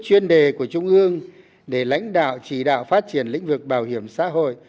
chuyên đề của trung ương để lãnh đạo chỉ đạo phát triển lĩnh vực bảo hiểm xã hội